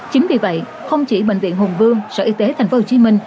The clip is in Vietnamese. chính vì vậy không chỉ bệnh viện hùng vương sở y tế tp hcm